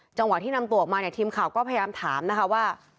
จังหวะที่นำตัวออกมาเนี่ยทีมข่าวก็พยายามถามนะคะว่า